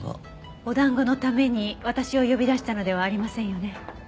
お団子のために私を呼び出したのではありませんよね？